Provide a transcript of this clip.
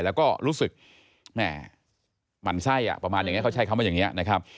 แล้วก็รู้สึกแม่หมั่นไส้ประมาณอย่างนี้เขาใช้คำว่าอย่างนี้นะครับ